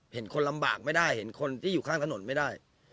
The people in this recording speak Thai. เห็นคนลำบากไม่ได้เห็นคนที่อยู่ข้างถนนไม่ได้